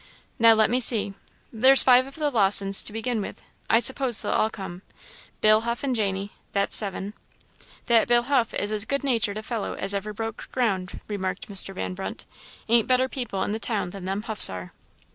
Now, let me see. There's five of the Lawsons to begin with I suppose they'll all come Bill Huff and Jany, that's seven " "That Bill Huff is as good natured a fellow as ever broke ground," remarked Mr. Van Brunt. "Ain't better people in the town than them Huffs are."